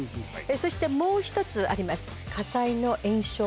そしてもう１つあります。